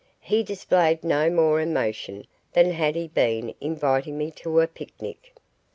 He displayed no more emotion than had he been inviting me to a picnic.